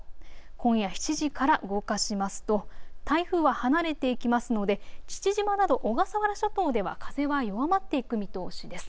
今夜７時から動かしますと台風は離れていきますので父島など小笠原諸島では風は弱まっていく見通しです。